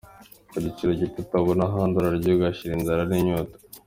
Ku giciro gito utabona ahandi urarya ugashira inzara n’inyota.